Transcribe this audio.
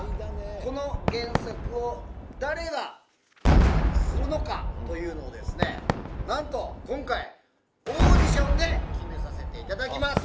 この原作を誰が漫画にするのかというのをですね、なんと今回、オーディションで決めさせていただきます。